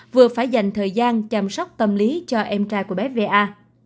vừa phải dành thời gian chăm sóc tâm lý cho em trai của bé a